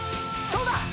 そうだ！